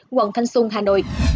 quận thanh xuân hà nội